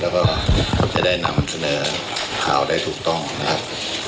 แล้วก็จะได้นำเสนอข่าวได้ถูกต้องนะครับ